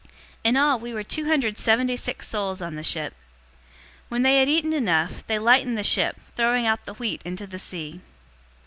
027:037 In all, we were two hundred seventy six souls on the ship. 027:038 When they had eaten enough, they lightened the ship, throwing out the wheat into the sea.